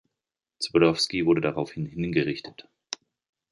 Zborowski wurde daraufhin hingerichtet.